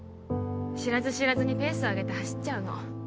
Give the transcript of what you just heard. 知らず知らずにペースを上げて走っちゃうの